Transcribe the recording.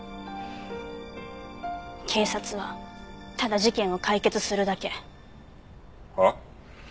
警察はただ事件を解決するだけ。は？